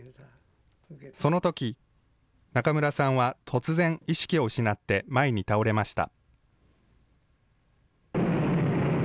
そのとき、中村さんは突然、意識を失って前に倒れました。